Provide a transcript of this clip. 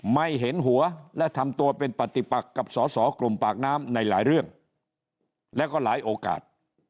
ไม่เห็นหัวและทำตัวเป็นปฏิปักกับสอสอกลุ่มปากน้ำในหลายเรื่องแล้วก็หลายโอกาส